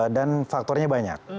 dan faktornya banyak